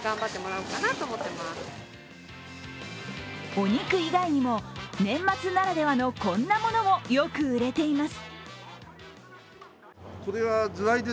お肉以外にも、年末ならではのこんなものもよく売れています。